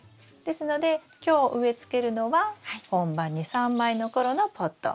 ですので今日植えつけるのは本葉２３枚の頃のポット。